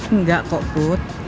enggak kok put